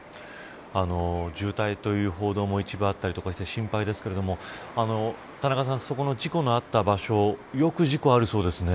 重体という報道も一部あったりとかして、心配ですが田中さんそこの事故のあった場所よく事故があるそうですね。